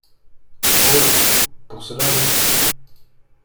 Oh ! pour cela oui.